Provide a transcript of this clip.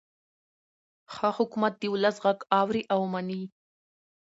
ښه حکومت د ولس غږ اوري او مني.